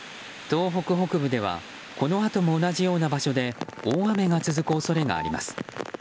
東北北部ではこのあとも同じような場所で大雨が続く恐れがあります。